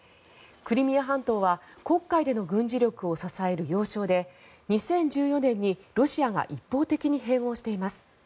クリミア半島は黒海での軍事力を支える要衝で２０１４年にロシアが一方的に併合しています。